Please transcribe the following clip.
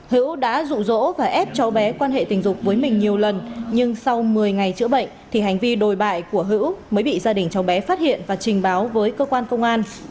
hữu đã rụ rỗ và ép cháu bé quan hệ tình dục với mình nhiều lần nhưng sau một mươi ngày chữa bệnh thì hành vi đồi bại của hữu mới bị gia đình cháu bé phát hiện và trình báo với cơ quan công an